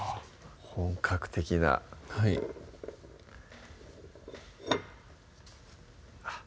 本格的なはいあっ